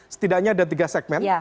setidaknya ada tiga segmen